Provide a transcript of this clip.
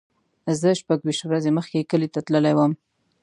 زه شپږ ویشت ورځې مخکې کلی ته تللی وم.